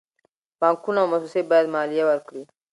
بانکونه او موسسې باید مالیه ورکړي.